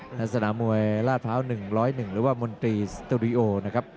และสนามวยราชภาว๑๐๑หรือว่ามนตรีสตูดิโอนะครับ